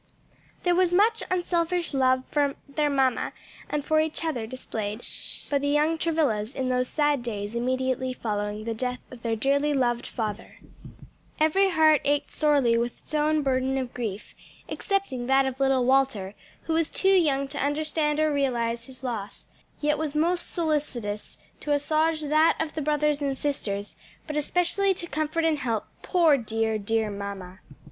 _ There was much unselfish love for their mamma and for each other displayed by the young Travillas in those sad days immediately following the death of their dearly loved father. Every heart ached sorely with its own burden of grief excepting that of little Walter, who was too young to understand or realize his loss, yet was most solicitous to assuage that of the brothers and sisters, but especially to comfort and help "poor, dear, dear mamma."